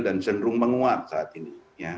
dan cenderung menguat saat ini